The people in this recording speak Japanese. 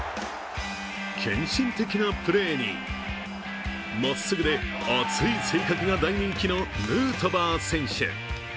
献身的なプレーにまっすぐで熱い性格が大人気のヌートバー選手。